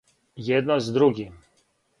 Једно с другим?